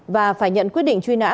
và phải nhận quyết định truy nã